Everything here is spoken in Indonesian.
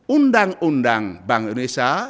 undang undang bank indonesia